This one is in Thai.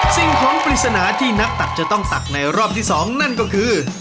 สิ่งของปริศนาที่นักตักจะต้องตักในรอบที่๒นั่นก็คือ